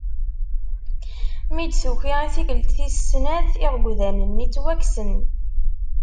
Mi d-tuki i tikelt tis snat iɣegdan-nni ttwaksen.